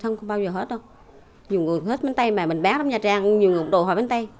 không phải là bánh tay không bao giờ hết đâu nhiều người hết bánh tay mà mình bán ở nha trang nhiều người đồ hỏi bánh tay